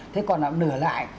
thế còn nửa lại